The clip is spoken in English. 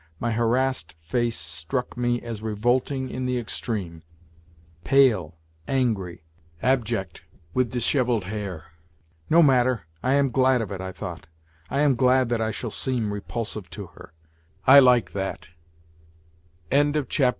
My harassed face struck me as revolting in the extreme, pale, angry, abject, with dishevelled hair. " No matter, I am glad of it, " I thought ;" I am glad that I shall seem repulsive to her; I like that."